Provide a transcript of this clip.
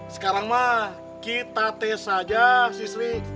sekarang mah kita tes aja si sri